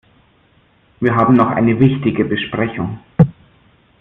Wir haben noch eine wichtige Besprechung.